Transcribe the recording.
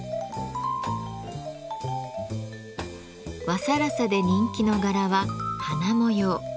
和更紗で人気の柄は花模様。